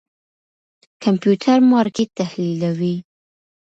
کمپيوټر مارکېټ تحليلوي.